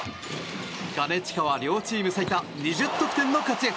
金近は両チーム最多２０得点の活躍。